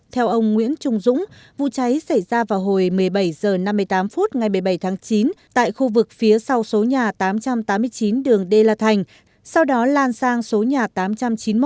theo ông nguyễn trung dũng vụ cháy xảy ra vào hồi một mươi bảy h năm mươi tám phút ngày một mươi bảy tháng chín tại khu vực phía sau số nhà tám trăm tám mươi chín đường đê la thành sau đó lan sang số nhà tám trăm chín mươi một